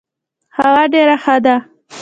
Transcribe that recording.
هوا ډيره ښه ده.